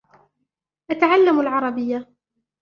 أتعلم العربية.